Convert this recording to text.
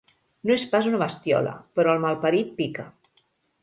No és pas una bestiola, però el malparit pica.